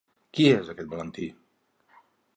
Qui és, aquest Valentí?